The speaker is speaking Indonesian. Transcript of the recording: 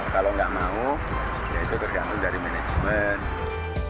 kalau nggak mau ya itu tergantung dari manajemen